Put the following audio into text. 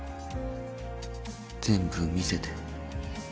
全部見せて。